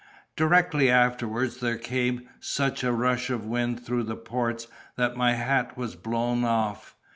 Directly afterwards there came such a rush of wind through the ports, that my hat was blown off.